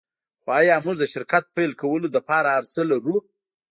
خو ایا موږ د شرکت پیل کولو لپاره هرڅه لرو